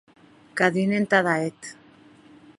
Cadun entada eth.